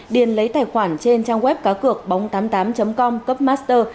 điền lấy tài khoản trên trang web cá cược bóng tám mươi tám com cấp master